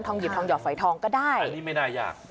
ทองหยิบทองหย่อฝ่ายทองก็ได้อันนี้ไม่ได้ยาก